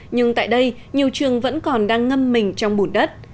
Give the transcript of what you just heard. nhưng tại đây nhiều trường vẫn còn đang ngâm mình trong bùn đất